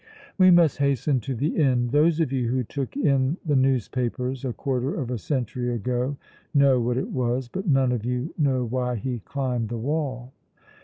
We must hasten to the end. Those of you who took in the newspapers a quarter of a century ago know what it was, but none of you know why he climbed the wall.